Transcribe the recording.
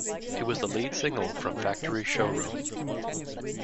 It was the lead single from "Factory Showroom".